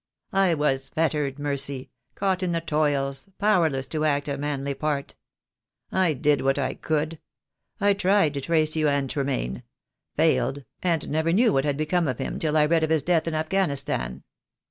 I was fettered, Mercy, caught in the toils, powerless to act a manly part. I did what I could. I tried to trace you and Tremayne — failed, and never knew what had become of him till I read of his death in Afghanistan.